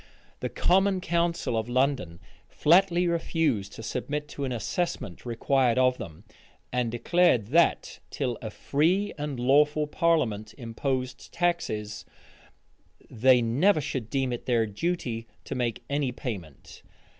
The common council of London flatly refused to submit to an assessment required of them; and declared that, till a free and lawful parliament imposed taxes, they never should deem it their duty to make any payment.